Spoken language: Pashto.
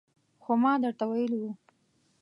خو ما درته ویلي وو